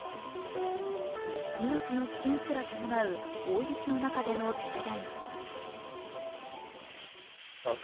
命の危険すら伴う大雪の中での停電。